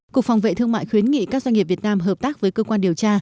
cục phòng vệ thương mại khuyến nghị các doanh nghiệp việt nam hợp tác với cơ quan điều tra